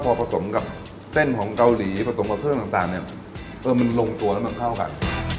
พอผสมกับเส้นของเกาหลีผสมกับเครื่องต่างเนี่ยเออมันลงตัวแล้วมันเข้ากัน